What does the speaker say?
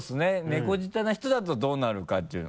猫舌な人だとどうなるかっていうのを。